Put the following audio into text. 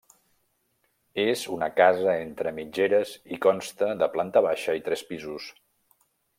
És una casa entre mitgeres i consta de planta baixa i tres pisos.